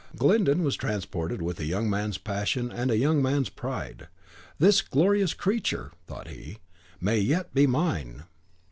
Glyndon was transported with a young man's passion and a young man's pride: "This glorious creature," thought he, "may yet be mine."